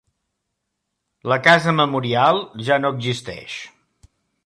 La casa memorial ja no existeix.